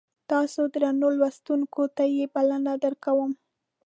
تاسو درنو لوستونکو ته یې بلنه درکوم.